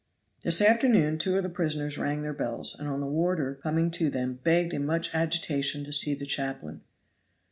This afternoon two of the prisoners rang their bells, and on the warder coming to them begged in much agitation to see the chaplain.